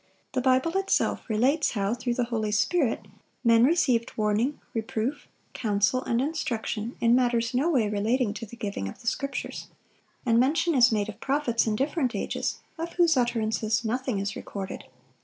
The Bible itself relates how, through the Holy Spirit, men received warning, reproof, counsel, and instruction, in matters in no way relating to the giving of the Scriptures. And mention is made of prophets in different ages, of whose utterances nothing is recorded.